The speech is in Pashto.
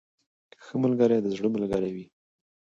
• ښه ملګری د زړه ملګری وي.